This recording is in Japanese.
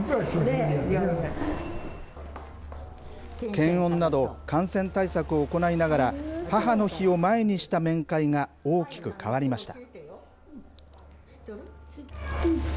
検温など、感染対策を行いながら、母の日を前にした面会が大きく変わりました。